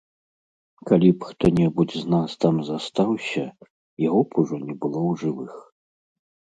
Калі б хто-небудзь з нас там застаўся, яго б ужо не было ў жывых.